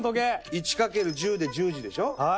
１掛ける１０で１０時でしょ？